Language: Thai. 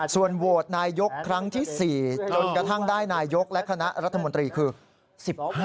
ส่วนโหวตนายกครั้งที่๔จนกระทั่งได้นายกและคณะรัฐมนตรีคือ๑๕